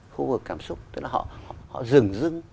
khu vực cảm xúc tức là họ dừng dưng